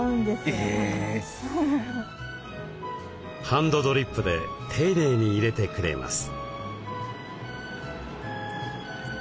ハンドドリップで丁寧にいれてくれます。